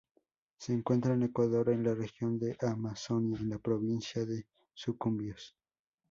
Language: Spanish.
Se encuentra en Ecuador en la región de Amazonia en la Provincia de Sucumbíos.